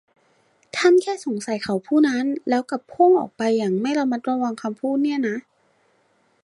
ท่านแค่สงสัยเขาผู้นั้น แล้วกลับโพล่งออกไปอย่างไม่ระมัดระวังคำพูดเนี่ยนะ